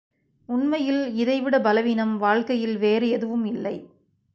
உண்மையில் இதைவிடப் பலவீனம் வாழ்க்கையில் வேறு எதுவும் இல்லை.